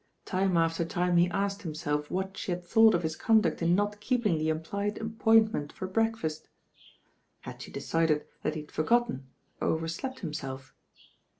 Time after time he asked himself what she had thought of his conduct in not keeping the implied appointment for breakfast. Had she decided that he had forgotten, or overslept himself?